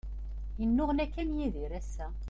Yennuɣna kan Yidir ass-a.